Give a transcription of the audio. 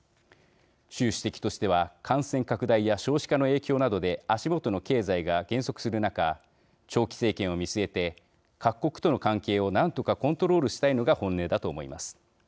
習主席としては感染拡大や少子化の影響などで足元の経済が減速する中長期政権を見据えて各国との関係を何とかコントロールしたいのが本音だと思います。